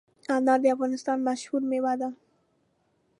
انار د افغانستان مشهور مېوه ده.